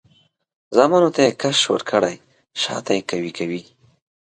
زامنو ته یې کش ورکړی؛ شاته یې قوي کوي.